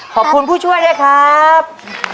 ขอบคุณผู้ช่วยนะครับ